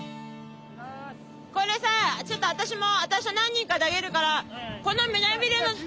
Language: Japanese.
これさちょっと私と何人かで上げるからこの胸びれのとこ。